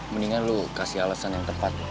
mendingan lu kasih alasan yang tepat